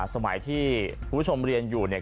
สมัยที่คุณผู้ชมเรียนอยู่เนี่ย